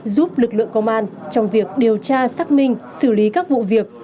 giúp lực lượng công an trong việc điều tra xác minh xử lý các vụ việc